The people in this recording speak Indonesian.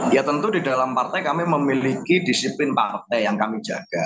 ya tentu di dalam partai kami memiliki disiplin partai yang kami jaga